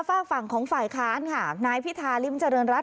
ฝากฝั่งของฝ่ายค้านค่ะนายพิธาริมเจริญรัฐ